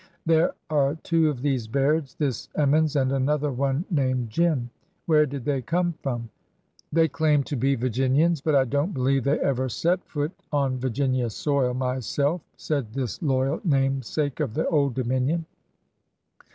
There are two of these Bairds— this Emmons and another one named Jim." " Where did they come from ?"'' They claim to be Virginians. But I don't believe they ever set foot on Virginia soil, myself," said this loyal namesake of the Old Dominion.